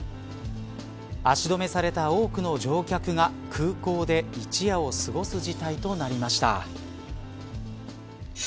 足止めされた多くの乗客が空港で一夜を過ごす事態となりました。